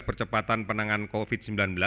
percepatan penanganan covid sembilan belas